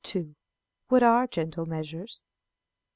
WHAT ARE GENTLE MEASURES?